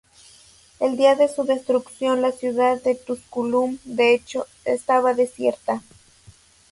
El día de su destrucción la ciudad de Tusculum, de hecho, estaba desierta.